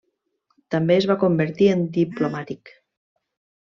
També es va convertir en diplomàtic.